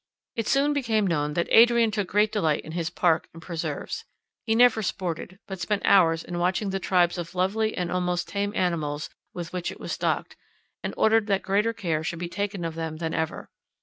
It soon became known that Adrian took great delight in his park and preserves. He never sported, but spent hours in watching the tribes of lovely and almost tame animals with which it was stocked, and ordered that greater care should be taken of them than ever.